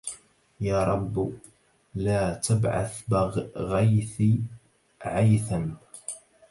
يا رب لا تبعث بغيث عيثا